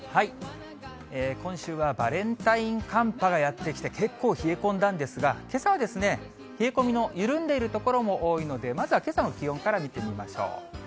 今週はバレンタイン寒波がやって来て、結構冷え込んだんですが、けさはですね、冷え込みの緩んでいる所も多いので、まずはけさの気温から見てみましょう。